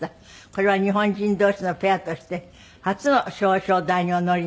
これは日本人同士のペアとして初の表彰台にお乗りになりました。